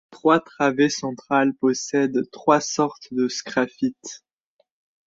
Les trois travées centrales possèdent trois sortes de sgraffites.